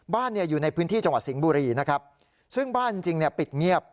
บ้านเนี่ยอยู่ในพื้นที่จังหวัดสิงห์บุรีนะครับซึ่งบ้านจริงจริงเนี่ยปิดเงียบ